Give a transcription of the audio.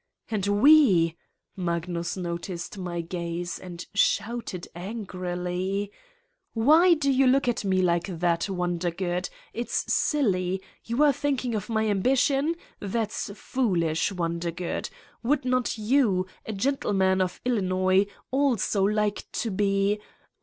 "And we!" Magnus noticed my gaze and shouted angrily : "Why do you look at me like that, Wonder good? It's silly! You are thinking of my ambi tion? That's foolish, Wondergood! Would not you, a gentleman of Illinois, also like to be